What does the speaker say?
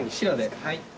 はい。